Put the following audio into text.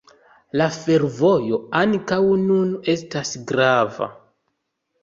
La fervojo ankaŭ nun estas grava.